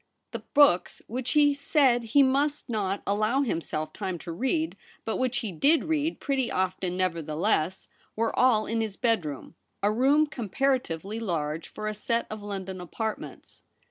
The books which he said he must not allow himself time to read, but which he did read pretty often nevertheless, were all in his bedroom — a room comparatively large for a set of London apartments.